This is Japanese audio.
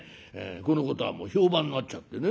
このことはもう評判になっちゃってね